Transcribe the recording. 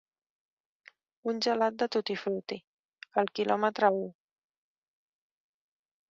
Un gelat de 'tutti-frutti'.El quilòmetre u.